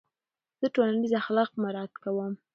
زه ټولنیز اخلاق مراعت کوم.